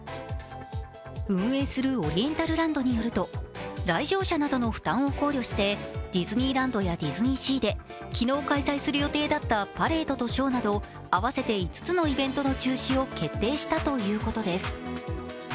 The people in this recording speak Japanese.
運営するオリエンタルランドによると来場者などの負担を考慮してディズニーランドやディズニーシーで昨日開催する予定だったパレードとショーなど、合わせて５つのイベントの中止を決定したとのことです。